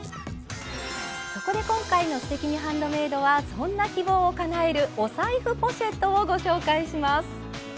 そこで今回の「すてきにハンドメイド」はそんな希望をかなえるお財布ポシェットをご紹介します。